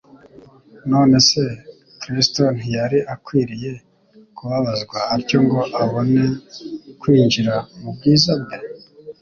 None se kristo ntiyari akwiriye kubabazwa atyo ngo abone kwinjira mu bwiza bwe ?»